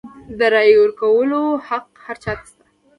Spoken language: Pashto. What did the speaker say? د رایې ورکولو حق هر چا ته شته.